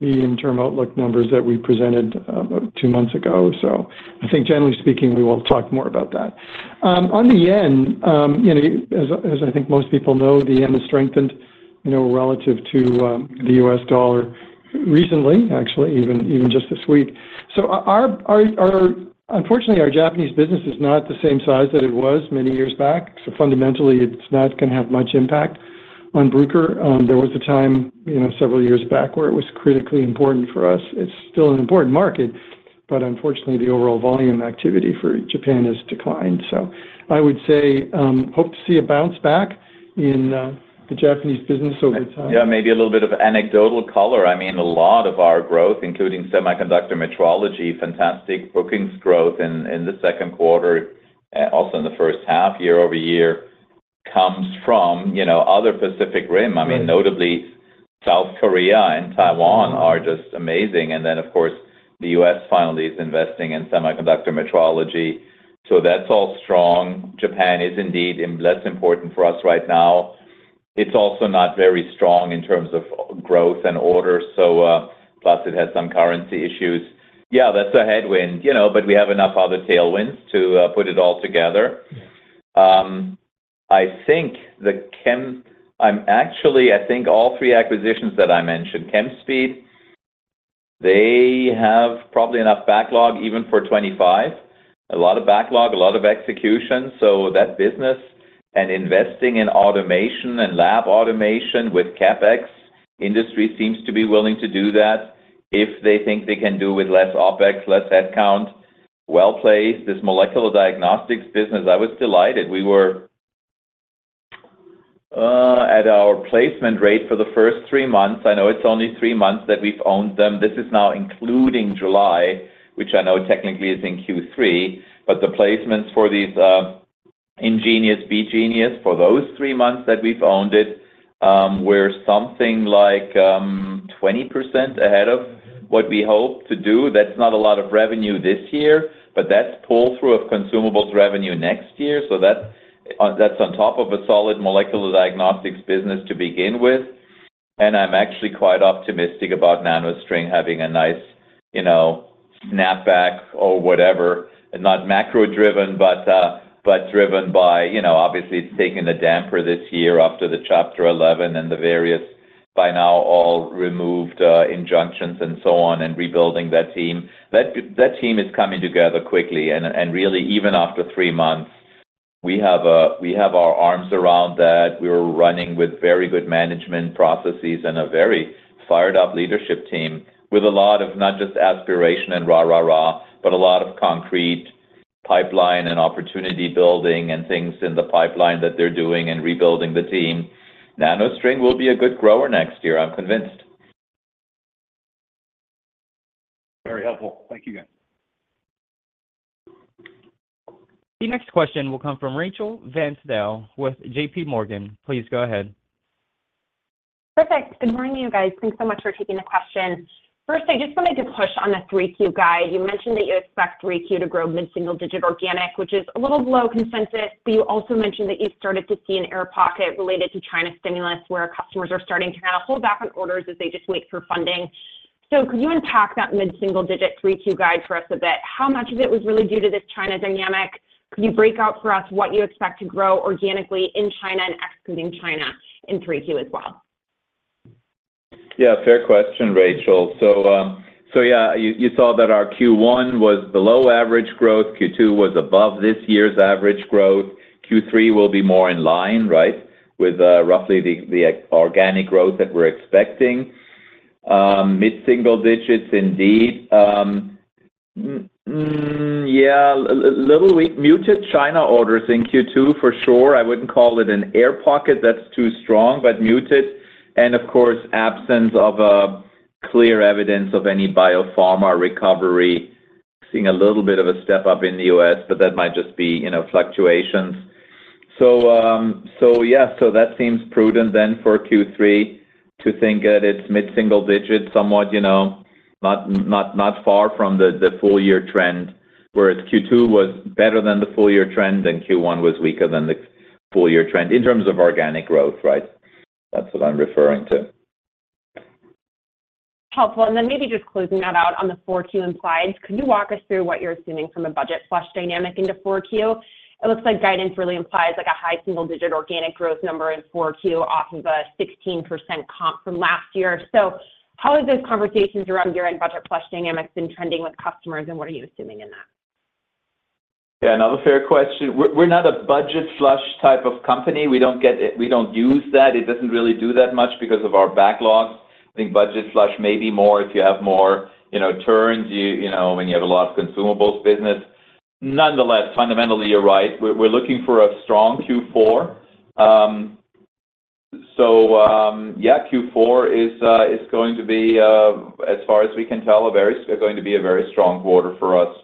medium-term outlook numbers that we presented two months ago. So I think generally speaking, we will talk more about that. On the yen, you know, as I think most people know, the yen has strengthened, you know, relative to the U.S. dollar recently, actually, even just this week. So unfortunately, our Japanese business is not the same size that it was many years back, so fundamentally, it's not going to have much impact on Bruker. There was a time, you know, several years back, where it was critically important for us. It's still an important market, but unfortunately, the overall volume activity for Japan has declined. So I would say hope to see a bounce back in the Japanese business over time. Yeah, maybe a little bit of anecdotal color. I mean, a lot of our growth, including semiconductor metrology, fantastic bookings growth in, in the second quarter, also in the first half, year-over-year, comes from, you know, other Pacific Rim. Right. I mean, notably, South Korea and Taiwan are just amazing. And then, of course, the U.S. finally is investing in semiconductor metrology, so that's all strong. Japan is indeed less important for us right now. It's also not very strong in terms of growth and order, so, plus it has some currency issues. Yeah, that's a headwind, you know, but we have enough other tailwinds to put it all together. Actually, I think all three acquisitions that I mentioned, Chemspeed, they have probably enough backlog, even for 2025. A lot of backlog, a lot of execution, so that business and investing in automation and lab automation with CapEx, industry seems to be willing to do that if they think they can do with less OpEx, less head count. Well played. This molecular diagnostics business, I was delighted. We were-... At our placement rate for the first three months, I know it's only three months that we've owned them. This is now including July, which I know technically is in Q3, but the placements for these, InGenius, BeGenius, for those three months that we've owned it, were something like 20% ahead of what we hope to do. That's not a lot of revenue this year, but that's pull-through of consumables revenue next year. So that's on top of a solid molecular diagnostics business to begin with, and I'm actually quite optimistic about NanoString having a nice, you know, snapback or whatever, not macro-driven, but driven by, you know. Obviously, it's taken a damper this year after the Chapter 11 and the various, by now, all removed, injunctions and so on, and rebuilding that team. That team is coming together quickly and really, even after three months, we have our arms around that. We're running with very good management processes and a very fired-up leadership team, with a lot of not just aspiration and rah-rah-rah, but a lot of concrete pipeline and opportunity building and things in the pipeline that they're doing in rebuilding the team. NanoString will be a good grower next year, I'm convinced. Very helpful. Thank you, guys. The next question will come from Rachel Vatnsdal with J.P. Morgan. Please go ahead. Perfect. Good morning, you guys. Thanks so much for taking the question. First, I just wanted to push on the 3Q guide. You mentioned that you expect 3Q to grow mid-single-digit organic, which is a little below consensus, but you also mentioned that you've started to see an air pocket related to China stimulus, where customers are starting to kind of hold back on orders as they just wait for funding. So could you unpack that mid-single-digit 3Q guide for us a bit? How much of it was really due to this China dynamic? Could you break out for us what you expect to grow organically in China and excluding China in 3Q as well? Yeah, fair question, Rachel. So, so yeah, you, you saw that our Q1 was below average growth. Q2 was above this year's average growth. Q3 will be more in line, right, with, roughly the, the organic growth that we're expecting. Mid-single digits indeed. Yeah, little weak, muted China orders in Q2, for sure. I wouldn't call it an air pocket, that's too strong, but muted, and of course, absence of a clear evidence of any biopharma recovery. Seeing a little bit of a step up in the U.S., but that might just be, you know, fluctuations. So, yeah, so that seems prudent then for Q3 to think that it's mid-single digit, somewhat, you know, not far from the full year trend, whereas Q2 was better than the full year trend, and Q1 was weaker than the full year trend in terms of organic growth, right? That's what I'm referring to. Helpful. And then maybe just closing that out on the 4Q, implies—could you walk us through what you're assuming from a budget flush dynamic into 4Q? It looks like guidance really implies like a high single-digit organic growth number in 4Q off of a 16% comp from last year. So how have those conversations around year-end budget flush dynamics been trending with customers, and what are you assuming in that? Yeah, another fair question. We're not a budget flush type of company. We don't use that. It doesn't really do that much because of our backlogs. I think budget flush may be more if you have more, you know, turns, you know, when you have a lot of consumables business. Nonetheless, fundamentally, you're right. We're looking for a strong Q4. So, yeah, Q4 is going to be, as far as we can tell, a very strong quarter for us,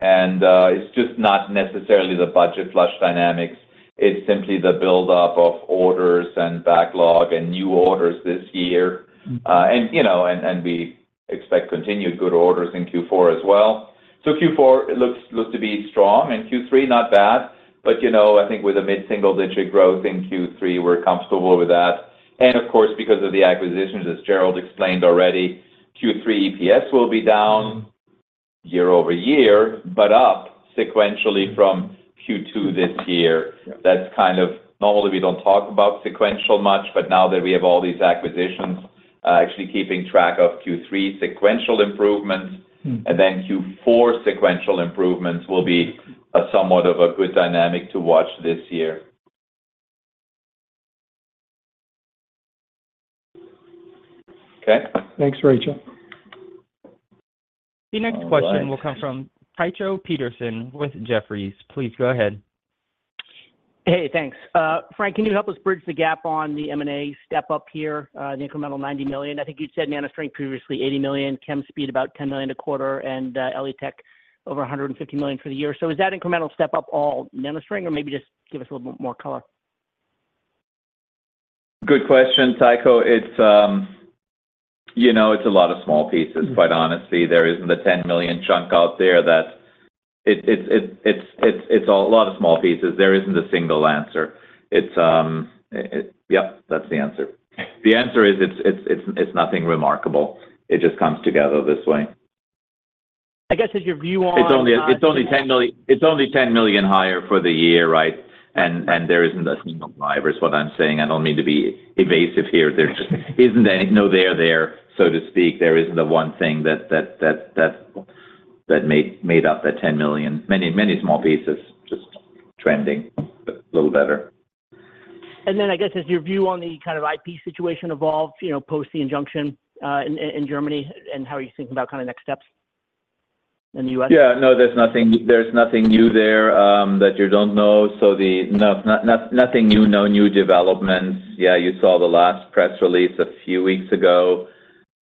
and it's just not necessarily the budget flush dynamics. It's simply the buildup of orders and backlog and new orders this year. And, you know, we expect continued good orders in Q4 as well. So Q4, it looks to be strong, and Q3, not bad, but, you know, I think with a mid-single-digit growth in Q3, we're comfortable with that. And of course, because of the acquisitions, as Gerald explained already, Q3 EPS will be down year-over-year, but up sequentially from Q2 this year. That's kind of... Normally, we don't talk about sequential much, but now that we have all these acquisitions, actually keeping track of Q3 sequential improvements- Mm. and then Q4 sequential improvements will be a somewhat of a good dynamic to watch this year. Okay? Thanks, Rachel. The next question will come from Tycho Petersen with Jefferies. Please go ahead. Hey, thanks. Frank, can you help us bridge the gap on the M&A step up here, the incremental $90 million? I think you'd said NanoString previously, $80 million, Chemspeed about $10 million a quarter, and ELITech over $150 million for the year. So is that incremental step up all NanoString, or maybe just give us a little bit more color? Good question, Tycho. It's, you know, it's a lot of small pieces, quite honestly. There isn't a $10 million chunk out there that... It's a lot of small pieces. There isn't a single answer. It's... Yep, that's the answer. Okay. The answer is, it's nothing remarkable. It just comes together this way. I guess as your view on- It's only $10 million higher for the year, right? There isn't a single driver, is what I'm saying. I don't mean to be evasive here. There just isn't any, no there there, so to speak. There isn't the one thing that made up that $10 million. Many, many small pieces, just trending a little better. Then, I guess as your view on the kind of IP situation evolves, you know, post the injunction, in Germany, and how are you thinking about kind of next steps? Yeah, no, there's nothing, there's nothing new there, that you don't know. So, no, nothing new, no new developments. Yeah, you saw the last press release a few weeks ago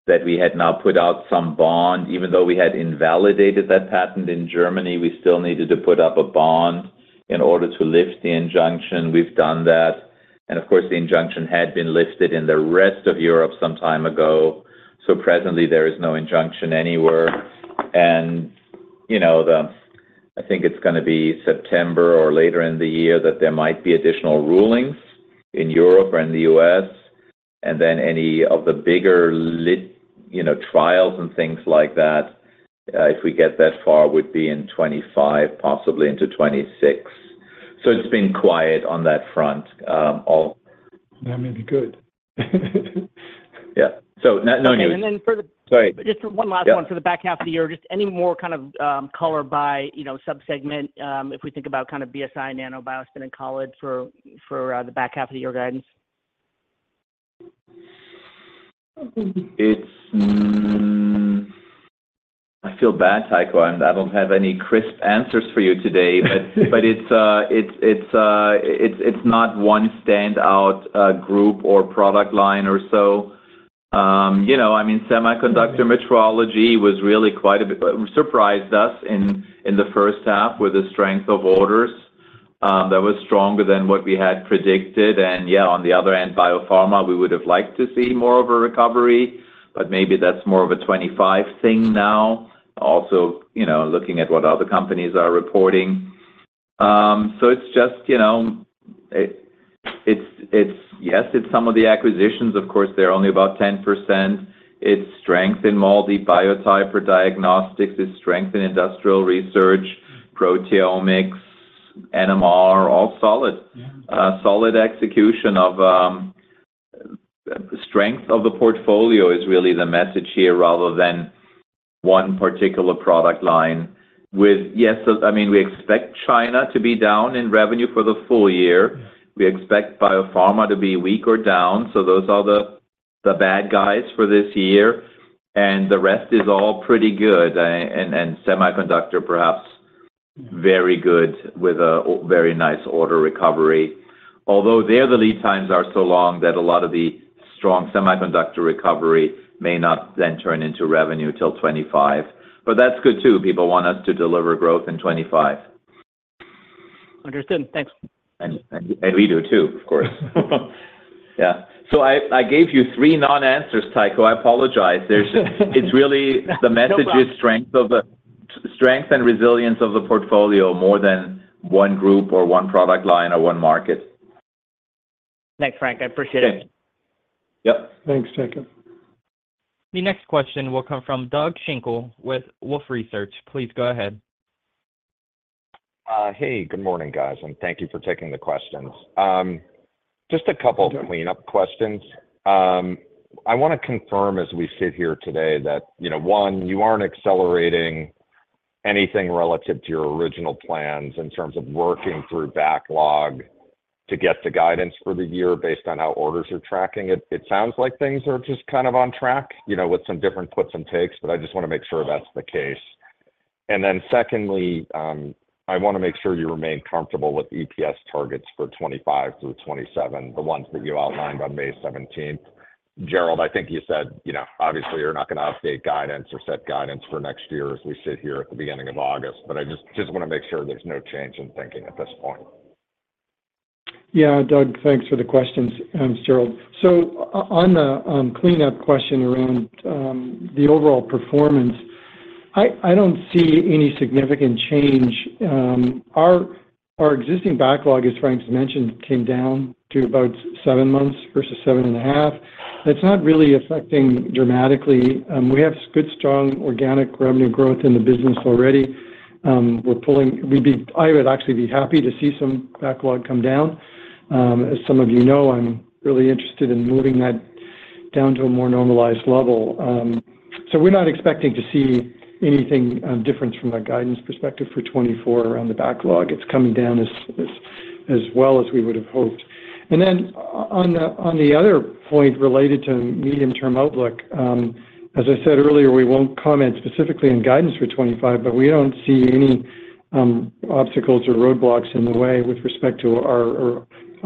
that we had now put out some bond. Even though we had invalidated that patent in Germany, we still needed to put up a bond in order to lift the injunction. We've done that, and of course, the injunction had been lifted in the rest of Europe some time ago. So presently, there is no injunction anywhere. And, you know, I think it's gonna be September or later in the year that there might be additional rulings in Europe or in the U.S., and then any of the bigger lit, you know, trials and things like that, if we get that far, would be in 2025, possibly into 2026. So it's been quiet on that front, all- That may be good. Yeah. So no, no news. And then for the- Sorry. Just one last one. Yeah. For the back half of the year, just any more kind of color by, you know, sub-segment, if we think about kind of BSI, Nano, BioSpin, and CALID for the back half of the year guidance? I feel bad, Tycho. I don't have any crisp answers for you today. But it's not one standout group or product line or so. You know, I mean, semiconductor metrology really quite a bit surprised us in the first half with the strength of orders. That was stronger than what we had predicted, and yeah, on the other hand, biopharma, we would have liked to see more of a recovery, but maybe that's more of a 2025 thing now. Also, you know, looking at what other companies are reporting. So it's just, you know, yes, it's some of the acquisitions, of course, they're only about 10%. It's strength in MALDI Biotyper diagnostics. It's strength in industrial research, proteomics, NMR, all solid. Yeah. Solid execution of strength of the portfolio is really the message here rather than one particular product line. With, yes, I mean, we expect China to be down in revenue for the full year. We expect biopharma to be weak or down, so those are the bad guys for this year, and the rest is all pretty good. And semiconductor, perhaps very good with a very nice order recovery. Although there, the lead times are so long that a lot of the strong semiconductor recovery may not then turn into revenue till 2025. But that's good, too. People want us to deliver growth in 2025. Understood. Thanks. And we do, too, of course. Yeah. So I gave you three non-answers, Tycho. I apologize. There's—it's really— No problem. The message is strength and resilience of the portfolio more than one group or one product line or one market. Thanks, Frank. I appreciate it. Okay. Yep. Thanks, Tycho. The next question will come from Doug Schenkel with Wolfe Research. Please go ahead. Hey, good morning, guys, and thank you for taking the questions. Just a couple- Okay Clean up questions. I want to confirm as we sit here today that, you know, one, you aren't accelerating anything relative to your original plans in terms of working through backlog to get to guidance for the year based on how orders are tracking. It sounds like things are just kind of on track, you know, with some different puts and takes, but I just want to make sure that's the case. And then secondly, I want to make sure you remain comfortable with the EPS targets for 2025 through 2027, the ones that you outlined on May 17. Gerald, I think you said, you know, obviously, you're not going to update guidance or set guidance for next year as we sit here at the beginning of August, but I just want to make sure there's no change in thinking at this point. Yeah, Doug, thanks for the questions. Gerald, so on the cleanup question around the overall performance, I don't see any significant change. Our existing backlog, as Frank just mentioned, came down to about seven months versus seven and a half. It's not really affecting dramatically. We have good, strong organic revenue growth in the business already. We'd be—I would actually be happy to see some backlog come down. As some of you know, I'm really interested in moving that down to a more normalized level. So we're not expecting to see anything different from a guidance perspective for 2024 around the backlog. It's coming down as well as we would have hoped. And then on the other point related to medium-term outlook, as I said earlier, we won't comment specifically on guidance for 2025, but we don't see any obstacles or roadblocks in the way with respect to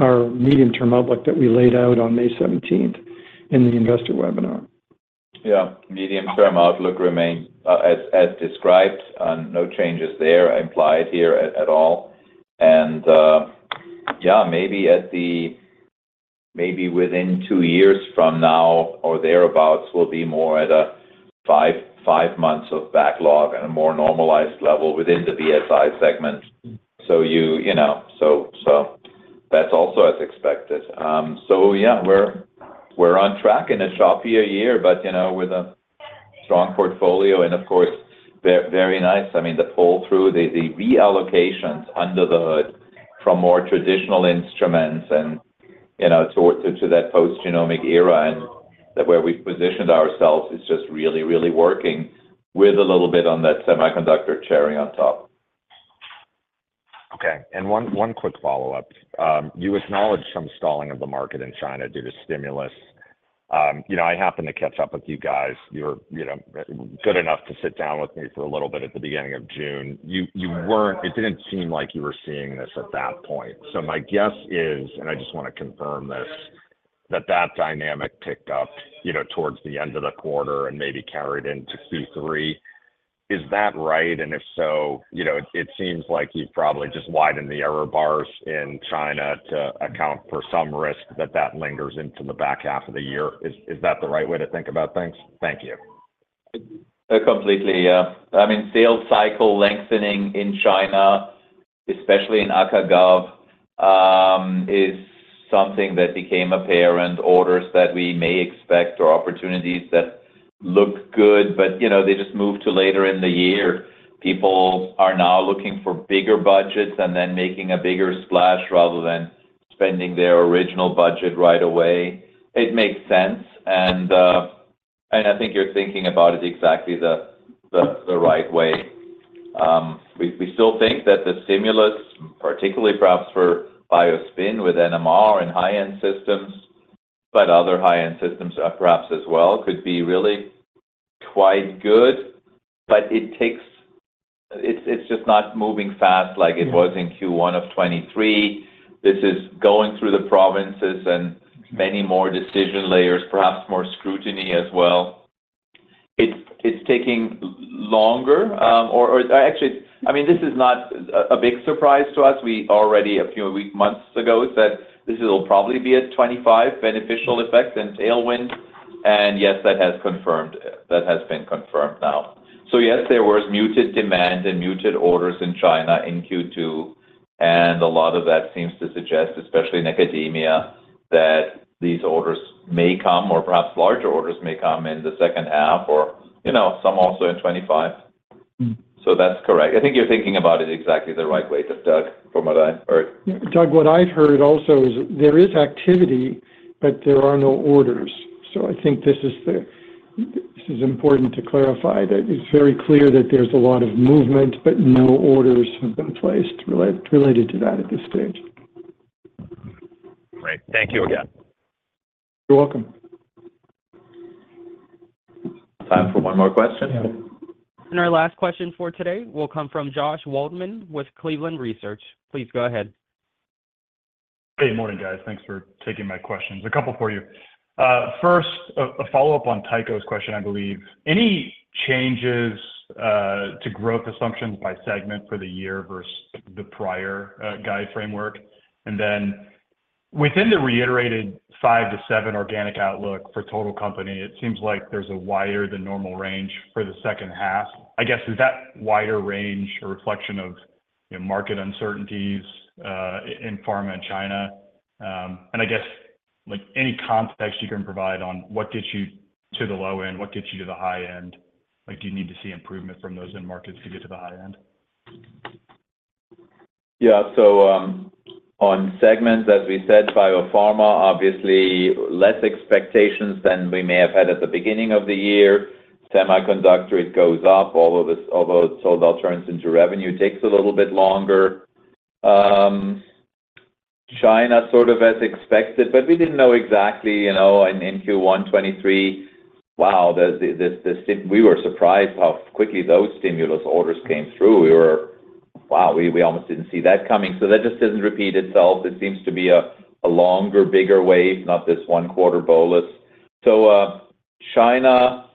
our medium-term outlook that we laid out on May seventeenth in the investor webinar. Yeah, medium-term outlook remains as described, no changes there implied here at all. And yeah, maybe within two years from now or thereabout, we'll be more at a five, five months of backlog and a more normalized level within the BSI segment. So you know, so that's also as expected. So yeah, we're on track in a choppy year, but you know, with a strong portfolio and, of course, very nice. I mean, the pull-through, the reallocations under the hood from more traditional instruments and you know, to that post-genomic era and that where we've positioned ourselves is just really, really working with a little bit on that semiconductor cherry on top. Okay, and one quick follow-up. You acknowledged some stalling of the market in China due to stimulus. You know, I happened to catch up with you guys. You were, you know, good enough to sit down with me for a little bit at the beginning of June. You weren't. It didn't seem like you were seeing this at that point. So my guess is, and I just want to confirm this, that that dynamic picked up, you know, towards the end of the quarter and maybe carried into Q3. Is that right? And if so, you know, it seems like you've probably just widened the error bars in China to account for some risk that lingers into the back half of the year. Is that the right way to think about things? Thank you. Completely, yeah. I mean, sales cycle lengthening in China, especially in Acad/Gov, is something that became apparent. Orders that we may expect or opportunities that look good, but, you know, they just moved to later in the year. People are now looking for bigger budgets and then making a bigger splash rather than spending their original budget right away. It makes sense, and and I think you're thinking about it exactly the right way. We still think that the stimulus, particularly perhaps for BioSpin with NMR and high-end systems, but other high-end systems, perhaps as well, could be really quite good, but it takes... It's just not moving fast like it was in Q1 of 2023. This is going through the provinces and many more decision layers, perhaps more scrutiny as well. It's taking longer, actually, I mean, this is not a big surprise to us. We already, a few weeks-months ago, said this will probably be a 2025 beneficial effect and tailwind, and yes, that has been confirmed now. So yes, there was muted demand and muted orders in China in Q2, and a lot of that seems to suggest, especially in academia, that these orders may come, or perhaps larger orders may come in the second half or, you know, some also in 2025. Mm. So that's correct. I think you're thinking about it exactly the right way, just Doug, from what I've heard. Doug, what I've heard also is there is activity, but there are no orders. So I think this is the, this is important to clarify that it's very clear that there's a lot of movement, but no orders have been placed related to that at this stage. Great. Thank you again. You're welcome. Time for one more question? Our last question for today will come from Josh Waldman with Cleveland Research. Please go ahead. Hey, morning, guys. Thanks for taking my questions. A couple for you. First, a follow-up on Tycho's question, I believe. Any changes to growth assumptions by segment for the year versus the prior guide framework? And then within the reiterated 5%-7% organic outlook for total company, it seems like there's a wider than normal range for the second half. I guess, is that wider range a reflection of, you know, market uncertainties in pharma and China? And I guess, like, any context you can provide on what gets you to the low end, what gets you to the high end? Like, do you need to see improvement from those end markets to get to the high end? Yeah. So, on segments, as we said, biopharma, obviously, less expectations than we may have had at the beginning of the year. Semiconductor, it goes up, although this—although, so that turns into revenue, takes a little bit longer. China, sort of as expected, but we didn't know exactly, you know, in Q1 2023, wow, the—we were surprised how quickly those stimulus orders came through. We were, wow, we, we almost didn't see that coming. So that just doesn't repeat itself. It seems to be a longer, bigger wave, not this one-quarter bolus. So, China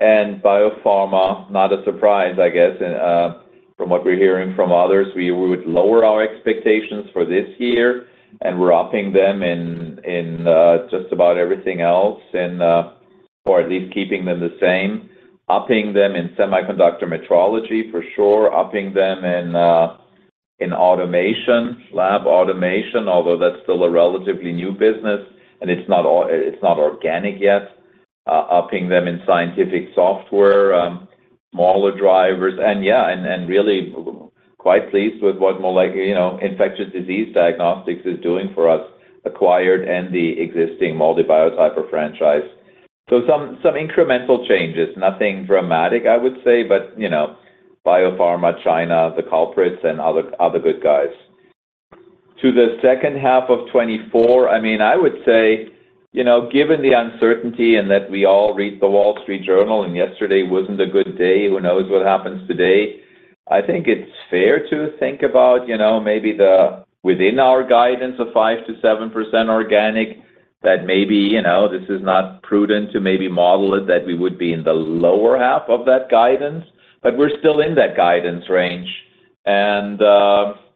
and biopharma, not a surprise, I guess, and, from what we're hearing from others, we would lower our expectations for this year, and we're upping them in, in, just about everything else, and, or at least keeping them the same. Upping them in semiconductor metrology, for sure. Upping them in automation, lab automation, although that's still a relatively new business, and it's not organic yet. Upping them in scientific software, smaller drivers, and yeah, and really quite pleased with what infectious disease diagnostics is doing for us, acquired and the existing MALDI Biotyper franchise. So some incremental changes, nothing dramatic, I would say, but you know, biopharma, China, the culprits and other good guys. To the second half of 2024, I mean, I would say, you know, given the uncertainty and that we all read The Wall Street Journal, and yesterday wasn't a good day, who knows what happens today? I think it's fair to think about, you know, maybe the, within our guidance of 5%-7% organic, that maybe, you know, this is not prudent to maybe model it, that we would be in the lower half of that guidance, but we're still in that guidance range. And,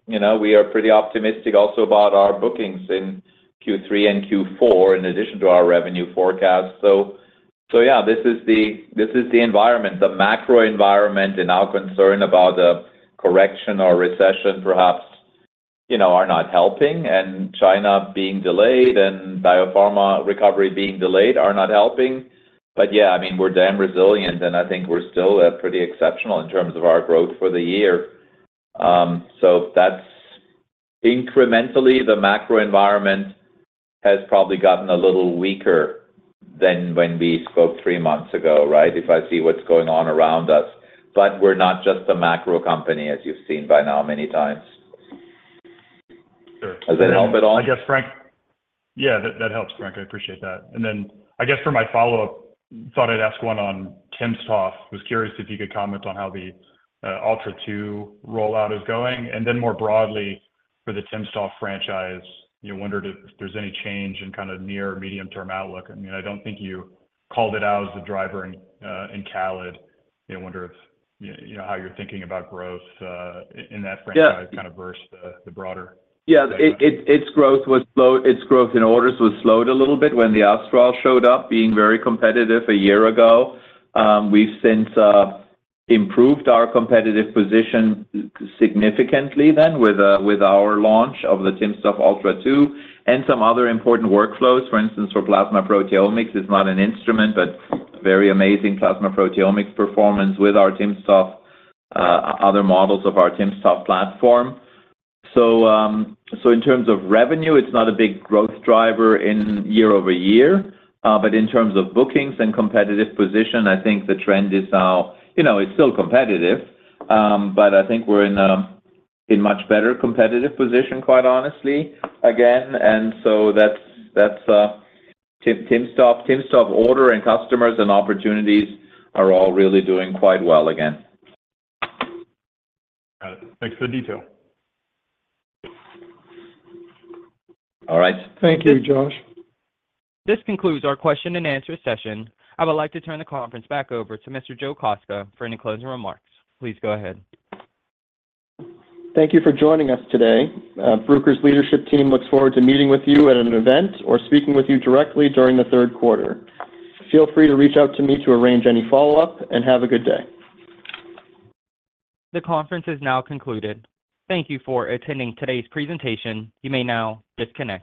you know, we are pretty optimistic also about our bookings in Q3 and Q4, in addition to our revenue forecast. So, so yeah, this is the, this is the environment, the macro environment and our concern about the correction or recession perhaps, you know, are not helping, and China being delayed and biopharma recovery being delayed are not helping. But yeah, I mean, we're damn resilient, and I think we're still pretty exceptional in terms of our growth for the year. So that's-... Incrementally, the macro environment has probably gotten a little weaker than when we spoke three months ago, right? If I see what's going on around us. But we're not just a macro company, as you've seen by now many times. Sure. Does that help at all? Yes, Frank. Yeah, that, that helps, Frank. I appreciate that. And then I guess for my follow-up, thought I'd ask one on timsTOF. Was curious if you could comment on how the Ultra 2 rollout is going, and then more broadly, for the timsTOF franchise, you know, wondered if there's any change in kind of near medium-term outlook. I mean, I don't think you called it out as a driver in CALID. You know, I wonder if, you know, how you're thinking about growth in that franchise- Yeah. kind of versus the broader. Yeah. It, it, its growth was slow. Its growth in orders was slowed a little bit when the Astral showed up, being very competitive a year ago. We've since improved our competitive position significantly then, with our launch of the timsTOF Ultra 2 and some other important workflows. For instance, for plasma proteomics, it's not an instrument, but very amazing plasma proteomics performance with our timsTOF, other models of our timsTOF platform. So, in terms of revenue, it's not a big growth driver in year-over-year, but in terms of bookings and competitive position, I think the trend is now... You know, it's still competitive, but I think we're in a much better competitive position, quite honestly, again. And so that's timsTOF orders, and customers, and opportunities are all really doing quite well again. Got it. Thanks for the detail. All right. Thank you, Josh. This concludes our question and answer session. I would like to turn the conference back over to Mr. Justin Ward for any closing remarks. Please go ahead. Thank you for joining us today. Bruker's leadership team looks forward to meeting with you at an event or speaking with you directly during the third quarter. Feel free to reach out to me to arrange any follow-up, and have a good day. The conference is now concluded. Thank you for attending today's presentation. You may now disconnect.